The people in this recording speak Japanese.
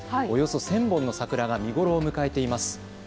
およそ１０００本の桜が見頃を迎えています。